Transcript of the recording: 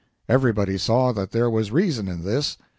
Everybody saw that there was reason in this.